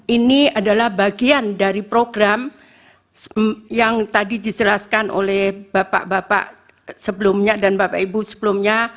ini adalah bagian dari program yang tadi dijelaskan oleh bapak bapak sebelumnya dan bapak ibu sebelumnya